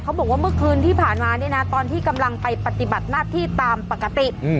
บอกว่าเมื่อคืนที่ผ่านมาเนี่ยนะตอนที่กำลังไปปฏิบัติหน้าที่ตามปกติ